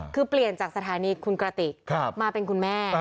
คือเปลี่ยนจากสถานีคุณกระติกมาเป็นคุณแม่